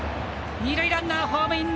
二塁ランナー、ホームイン。